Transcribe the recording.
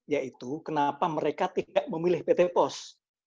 yaitu kenapa mereka tidak memilih pt pos